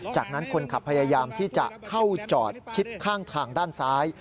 จากนั้นคนขับพยายามที่จะเข้าจอดชิดข้างทางด้านซ้าย